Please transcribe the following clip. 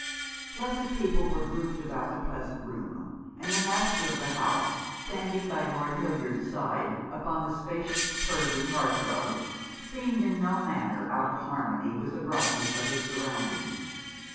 Pleasant people were grouped about the pleasant room, and the master of the house, standing by Lord Hildyard's side upon the spacious Persian hearthrug, seemed in no manner out of harmony with the brightness of his surroundings.